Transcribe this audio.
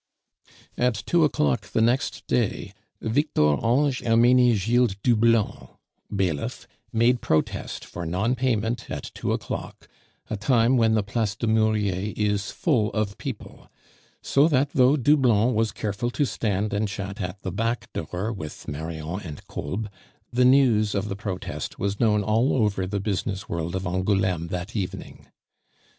At two o'clock the next day, Victor Ange Hermenegilde Doublon, bailiff, made protest for non payment at two o'clock, a time when the Place du Murier is full of people; so that though Doublon was careful to stand and chat at the back door with Marion and Kolb, the news of the protest was known all over the business world of Angouleme that evening.